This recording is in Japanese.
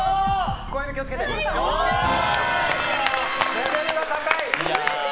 レベルが高い！